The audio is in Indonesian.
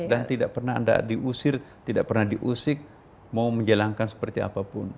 dan tidak pernah anda diusir tidak pernah diusik mau menjelangkan seperti apa pun